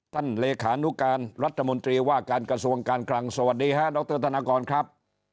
เลขานุการรัฐมนตรีว่าการกระทรวงการคลังสวัสดีฮะดรธนากรครับ